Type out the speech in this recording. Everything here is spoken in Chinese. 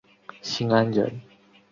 新安人。